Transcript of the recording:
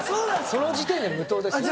その時点で無糖ですよ。